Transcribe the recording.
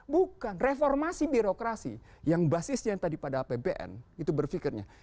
bukan reformasi birokrasi yang basisnya tadi pada apbn itu berpikirnya